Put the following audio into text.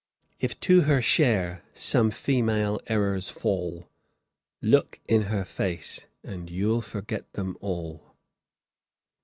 "If to her share some female errors fall, Look in her face, and you'll forget them all."